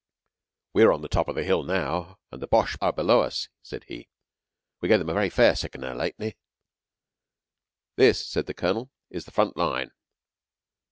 "We're on the top of the hill now, and the Boches are below us," said he. "We gave them a very fair sickener lately." "This," said the Colonel, "is the front line."